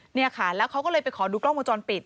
เนี่ยค่ะแล้วเขาก็เลยไปขอดูกล้องวงจรปิด